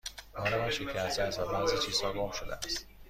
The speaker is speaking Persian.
بار من شکسته است و بعضی چیزها گم شده است.